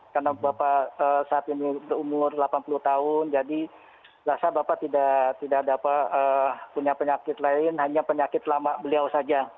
karena bapak saat ini berumur delapan puluh tahun jadi rasa bapak tidak dapat punya penyakit lain hanya penyakit lama beliau saja